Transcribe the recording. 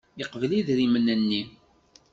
Yeqbel idrimen-nni.